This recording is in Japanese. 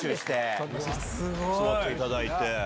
すごい！座っていただいて。